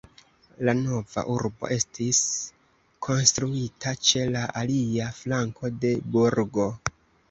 La nova urbo estis konstruita ĉe la alia flanko de burgo.